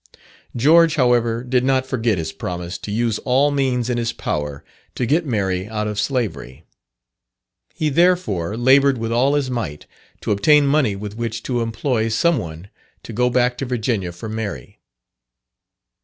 George, however, did not forget his promise to use all means in his power to get Mary out of slavery. He, therefore, laboured with all his might, to obtain money with which to employ some one to go back to Virginia for Mary.